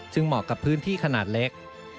ซึ่งเหมาะกับพื้นที่ขนาดเล็ก